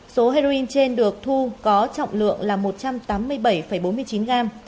số heroin trên được thu có trọng lượng là một trăm tám mươi bảy bốn mươi chín gram